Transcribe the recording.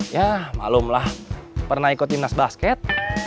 ya malum lah pernah ikut tim nas basket